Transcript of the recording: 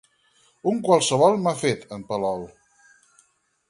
Un qualsevol m'ha fet, en Palol!